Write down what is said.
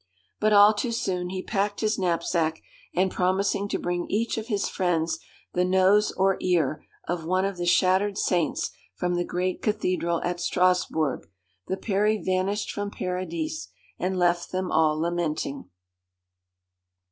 But all too soon he packed his knapsack, and promising to bring each of his friends the nose or ear of one of the shattered saints from the great cathedral at Strasbourg, the 'Peri' vanished from Paradis, and left them all lamenting.